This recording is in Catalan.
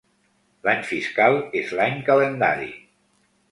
L'any fiscal és l'any calendari.